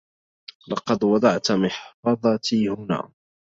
لقد وضعت محفظتي هنا.